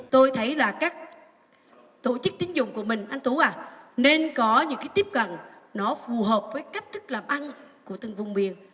tôi thấy là các tổ chức tín dụng của mình anh tú à nên có những cái tiếp cận nó phù hợp với cách thức làm ăn của từng vùng miền